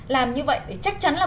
làm như vậy để chắc chắn là